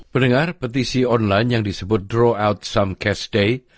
pendengar petisi online yang disebut draw out some cash day